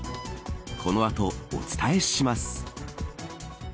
この後、お伝えします。